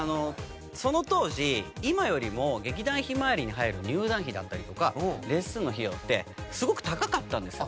その当時今よりも劇団ひまわりに入る入団費だったりとかレッスンの費用ってすごく高かったんですよ。